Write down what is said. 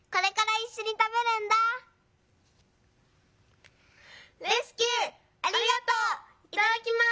いただきます」。